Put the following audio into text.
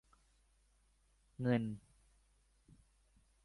เงิน